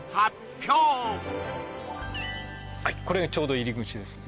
これがちょうど入り口ですね